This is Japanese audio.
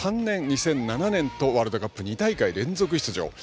２００３年、２００７年とワールドカップ２大会連続出場。